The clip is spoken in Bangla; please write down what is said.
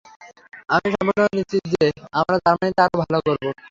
আমি সম্পূর্ণভাবে নিশ্চিন্ত যে, আমরা জার্মানীতে আরও ভাল করব।